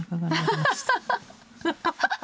アハハハ！